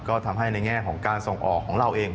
ก็ทำให้ในแง่ของการส่งออกของเราเอง